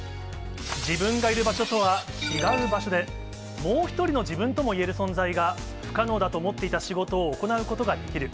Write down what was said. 自分がいる場所とは違う場所で、もう１人の自分ともいえる存在が、不可能だと思っていた仕事を行うことができる。